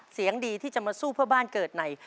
เสียงดีที่จะมาสู้เพื่อบ้านเกิดใน